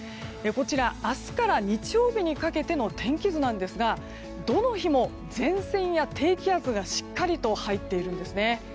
こちら明日から日曜日にかけての天気図なんですがどの日も前線や低気圧がしっかりと入っているんですね。